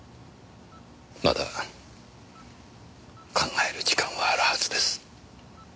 まだ考える時間はあるはずです。